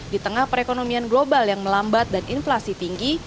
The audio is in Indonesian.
di tengah perekonomian global yang melambat dan inflasi tinggi